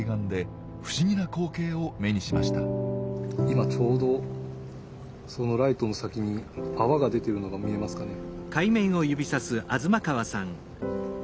今ちょうどそのライトの先に泡が出てるのが見えますかね？